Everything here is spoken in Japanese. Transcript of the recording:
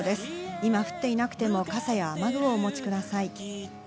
今降っていなくても傘や雨具をお持ちください。